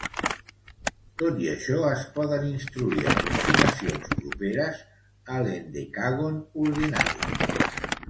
Tot i això, es poden instruir aproximacions properes a l"hendecàgon ordinari.